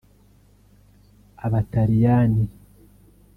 Abataliyani